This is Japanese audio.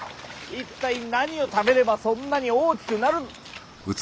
一体何を食べればそんなに大きくなる。